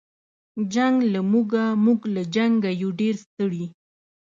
جنګ له موږه موږ له جنګه یو ډېر ستړي